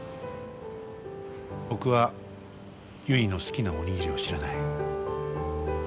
僕は、ゆいの好きなおにぎりを知らない。